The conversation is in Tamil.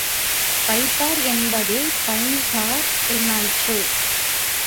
பை தார் என்பதே பைந்தார் என்றாயிற்று.